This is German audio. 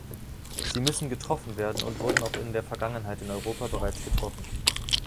Sie müssen getroffen werden und wurden auch in der Vergangenheit in Europa bereits getroffen.